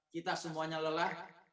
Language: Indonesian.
kita semuanya lelah